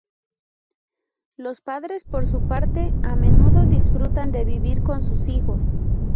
Los padres por su parte, a menudo disfrutan de vivir con sus hijos.